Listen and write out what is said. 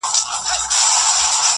جاله وان ورباندي ږغ کړل ملاجانه-